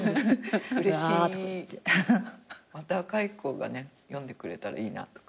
また若い子がね読んでくれたらいいなとか。